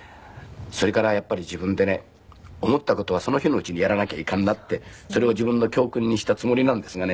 それからやっぱり自分でね思った事はその日のうちにやらなきゃいかんなってそれを自分の教訓にしたつもりなんですがね